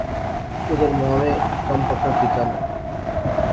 اودھر مانویں کم پکا کیتیا نا